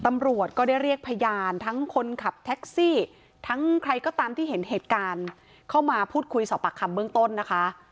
ตำรวจก็ได้เรียกพยานทั้งคนขับแท็กซี่ทั้งใครก็ตามที่เห็นเหตุการณ์เข้ามาพูดคุยสอบปากคำเบื้องต้นนะคะ